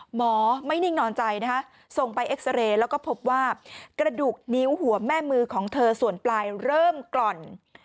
หมอไม่นิ่งนอนใจนะคะส่งไปเอ็กซาเรย์แล้วก็พบว่ากระดูกนิ้วหัวแม่มือของเธอส่วนปลายเริ่มกล่อน